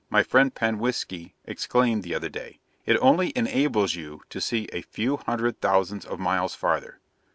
my friend Panwiski exclaimed the other day. 'It only enables you to see a few hundred thousands of miles farther.